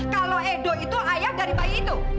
kalau edo itu ayam dari bayi itu